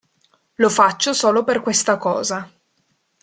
Lo faccio solo per questa cosa.